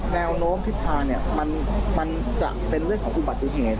แนวโน้มที่พาเนี่ยมันจะเป็นเรื่องของอุบัติเหตุ